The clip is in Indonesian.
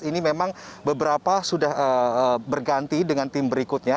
ini memang beberapa sudah berganti dengan tim berikutnya